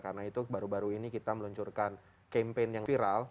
karena itu baru baru ini kita meluncurkan campaign yang viral